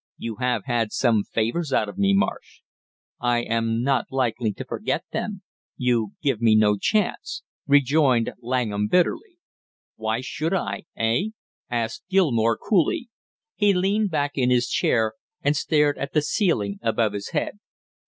"You have had some favors out of me, Marsh." "I am not likely to forget them, you give me no chance," rejoined Langham bitterly. "Why should I, eh?" asked Gilmore coolly. He leaned back in his chair and stared at the ceiling above his head.